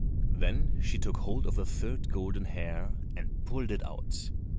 Then she took hold of the third golden hair and pulled it out.